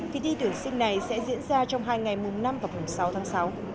kỳ thi tuyển sinh này sẽ diễn ra trong hai ngày mùng năm và mùng sáu tháng sáu